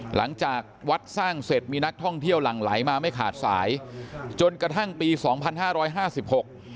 หลังจากวัดสร้างเสร็จมีนักท่องเที่ยวหลั่งไหลมาไม่ขาดสายจนกระทั่งปีสองพันห้าร้อยห้าสิบหก